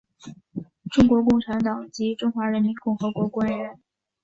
中国共产党及中华人民共和国官员。